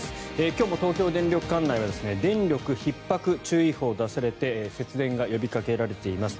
今日も東京電力管内は電力ひっ迫注意報が出されていて節電が呼びかけられています。